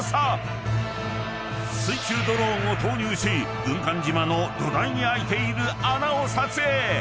［水中ドローンを投入し軍艦島の土台に開いている穴を撮影］